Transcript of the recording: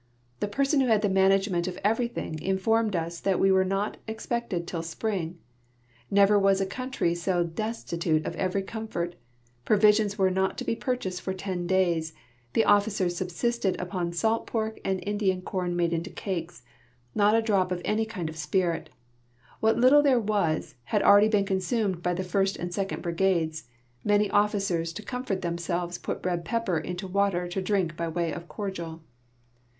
The person Avho had the management of every thing informed us that Ave Avere not expected till spring. Never Avas a country so destitute of every comfort ; ])rovisions Avere not to be pur chased for tendaA's; the officers subsisted upon salt pork and Indian ALBEMARLE LN REVOLUTIONARY DAYS 275 corn made into cakes ; not a drop of any kind of spirit ; what little there had been was already consumed by the first and second brigades ; many officers to comfort themselves put red pepper into water to drink by way of cordial.